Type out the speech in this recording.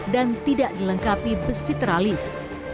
dan tidak dilengkapi besi teralis